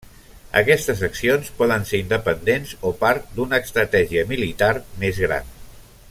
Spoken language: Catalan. Aquestes accions poden ser independents o part d'una estratègia militar més gran.